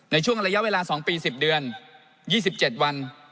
ในช่วงระยะเวลา๒ปี๑๐เดือน๒๗วัน